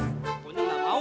gue gak mau